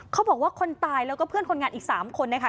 เขาบอกว่าคนตายแล้วก็เพื่อนคนงานอีก๓คนนะคะ